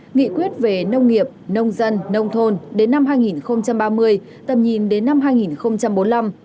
nghị quyết về nông nghiệp nông dân nông thôn đến năm hai nghìn ba mươi tầm nhìn đến năm hai nghìn bốn mươi năm